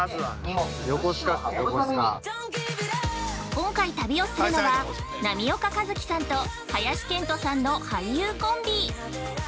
◆今回旅をするのは波岡一喜さんと林遣都さんの俳優コンビ。